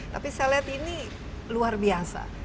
tapi saya lihat ini luar biasa